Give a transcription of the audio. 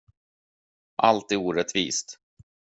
Allt är orättvist!